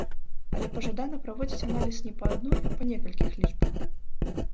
Але пажадана праводзіць аналіз не па адной, а па некалькіх лічбах.